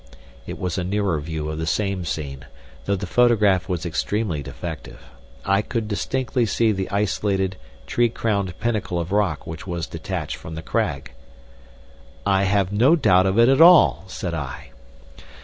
It was a nearer view of the same scene, though the photograph was extremely defective. I could distinctly see the isolated, tree crowned pinnacle of rock which was detached from the crag. "I have no doubt of it at all," said I.